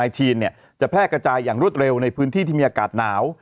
จีนจะแพร่กระจายอย่างรวดเร็วในพื้นที่ที่มีอากาศหนาว